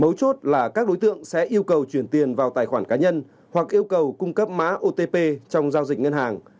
mấu chốt là các đối tượng sẽ yêu cầu chuyển tiền vào tài khoản cá nhân hoặc yêu cầu cung cấp mã otp trong giao dịch ngân hàng